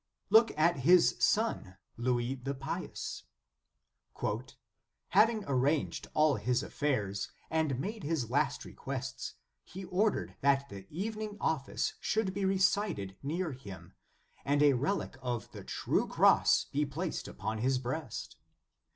Look, at his son, Louis the Pious. "Having arranged all his affairs, and made his last requests, he ordered that the evening office should be recited near him, and a relic of the true Cross be placed upon his breast.